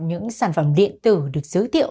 những sản phẩm điện tử được giới thiệu